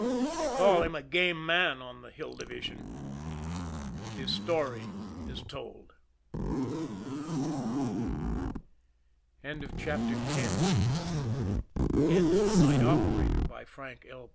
They call him a game man on the Hill Division. His story is told. End of the Project Gutenberg EBook of The Night Operator, by Frank L.